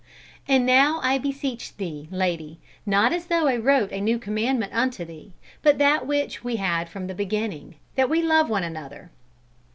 "And now I beseech thee, lady, not as though I wrote a new commandment unto thee, but that which we had from the beginning, that we love one another."